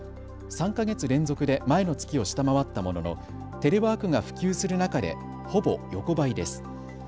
３か月連続で前の月を下回ったもののテレワークが普及する中でほぼ横ばいです。